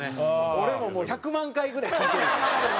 俺ももう１００万回ぐらい聴いてるよ。